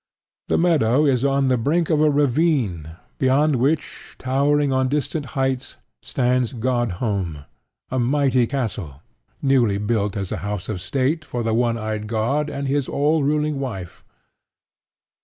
The meadow is on the brink of a ravine, beyond which, towering on distant heights, stands Godhome, a mighty castle, newly built as a house of state for the one eyed god and his all ruling wife.